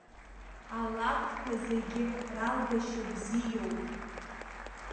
Алакәқәа зегьы ралгашьа бзиоуп.